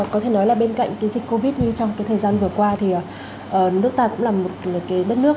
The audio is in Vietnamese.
có thể nói là bên cạnh cái dịch covid như trong cái thời gian vừa qua thì nước ta cũng là một cái đất nước